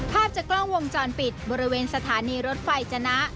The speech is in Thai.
ภาพจากกล้องวงจรปิดบริเวณสถานีรถไฟจนะ